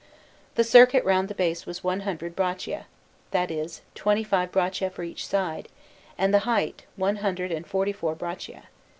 The circuit round the base was one hundred braccia that is, twenty five braccia for each side and the height, one hundred and forty four braccia.